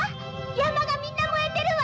山がみんな燃えてるわ！